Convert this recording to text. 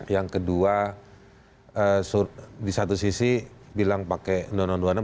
yang kedua di satu sisi bilang pakai undang undang dua puluh enam